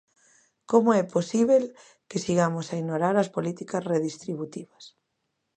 Como é posíbel que sigamos a ignorar as políticas redistributivas?